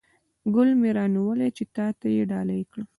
ګل مې را نیولی چې تاته یې ډالۍ کړم